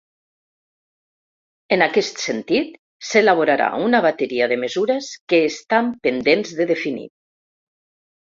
En aquest sentit s’elaborarà una bateria de mesures que estan pendents de definir.